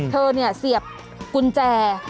เธอเนี่ยเสียบกุญแจ